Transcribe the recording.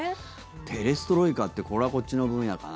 ペレストロイカってこれはこっちの分野かな。